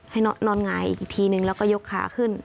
ให้นอนหงายอีกทีนึงแล้วก็ยกขาขึ้น